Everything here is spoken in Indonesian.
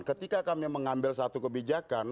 ketika kami mengambil satu kebijakan